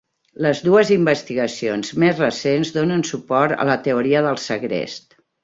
Les dues investigacions més recents donen suport a la teoria del segrest.